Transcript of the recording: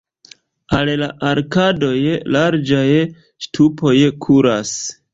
Al la arkadoj larĝaj ŝtupoj kuras.